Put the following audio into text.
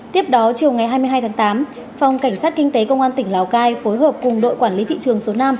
tiếp đó chiều ngày hai mươi hai tháng tám phòng cảnh sát kinh tế công an tỉnh lào cai phối hợp cùng đội quản lý thị trường số năm